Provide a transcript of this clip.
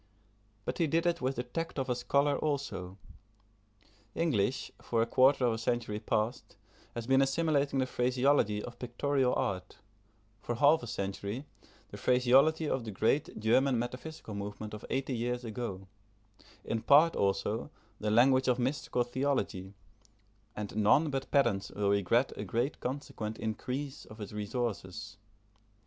But he did it with the tact of a scholar also. English, for a quarter of a century past, has been assimilating the phraseology of pictorial art; for half a century, the phraseology of the great German metaphysical movement of eighty years ago; in part also the language of mystical theology: and none but pedants will regret a great consequent increase of its resources.